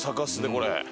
これ。